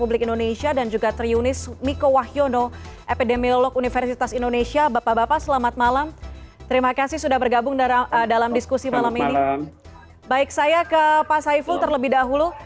baik saya ke pak saiful terlebih dahulu